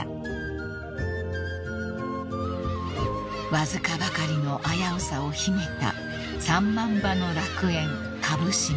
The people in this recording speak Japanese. ［わずかばかりの危うさを秘めた３万羽の楽園蕪島］